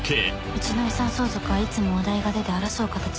「うちの遺産相続はいつもお題が出て争う形になって」